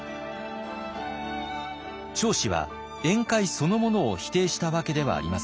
彰子は宴会そのものを否定したわけではありません。